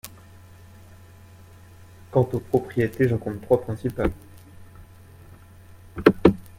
Quant aux priorités, j’en compte trois principales.